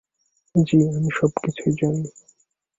জ্বি, আমি সব কিছুই জানি।